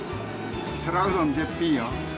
皿うどん、絶品よ。